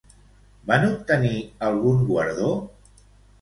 Van obtenir algun guardó?